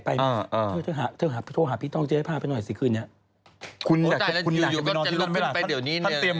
ไปเที่ยวโทรหาพี่ต้องเจอแผ่้าไปหน่อยสิคืนนี้